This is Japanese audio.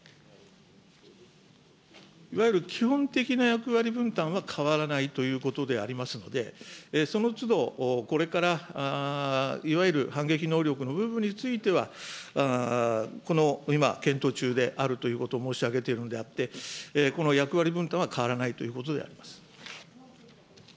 いわゆる基本的な役割分担は変わらないということでありますので、そのつどこれからいわゆる反撃能力の部分については、今、検討中であるということを申し上げているのであって、この役割分担は変わらないということであります。